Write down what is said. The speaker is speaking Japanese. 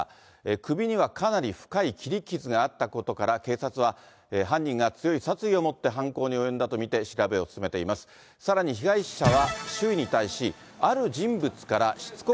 首にはかなり深い切り傷があったことから、警察は犯人が強い殺意を持って犯行に及んだと見て調べを進めていこんにちは。